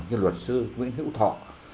như luật sư nguyễn hữu thọ